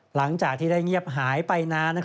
หลังจากที่ได้เงียบหายไปนาน